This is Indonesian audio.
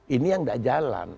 ini yang gak jalan